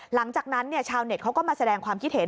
หลังจากนั้นชาวเน็ตเขาก็มาแสดงความคิดเห็น